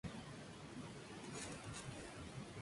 Durante las tres primeras temporadas, la Dra.